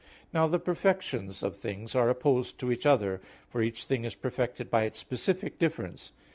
Now the perfections of things are opposed to each other, for each thing is perfected by its specific difference.